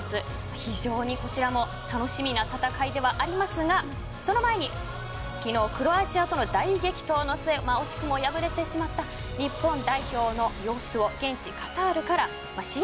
非常にこちらも楽しみな戦いではありますがその前に昨日クロアチアとの大激闘の末惜しくも敗れてしまった日本代表の様子を現地・カタールから試合